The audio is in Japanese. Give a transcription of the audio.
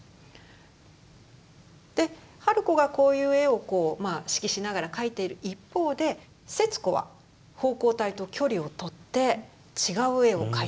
で春子がこういう絵を指揮しながら描いている一方で節子は奉公隊と距離を取って違う絵を描いていくと。